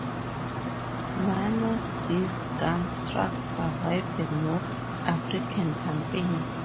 None of these gun trucks survived the North African campaign.